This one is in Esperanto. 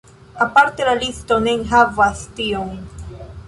Aparte la listo ne enhavas tion.